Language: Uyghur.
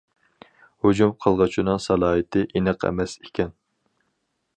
ھۇجۇم قىلغۇچىنىڭ سالاھىيىتى ئېنىق ئەمەس ئىكەن.